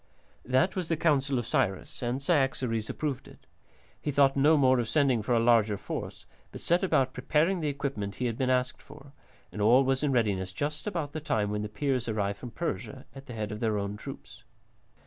That was the counsel of Cyrus, and Cyaxares approved it. He thought no more of sending for a larger force, but set about preparing the equipment he had been asked for, and all was in readiness just about the time when the Peers arrived from Persia at the head of their own troops.